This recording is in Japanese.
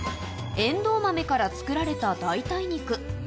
えんどう豆から作られた代替肉。